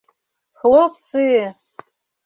Хлопцы!